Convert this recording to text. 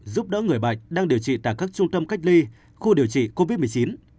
giúp đỡ người bệnh đang điều trị tại các trung tâm cách ly khu điều trị covid một mươi chín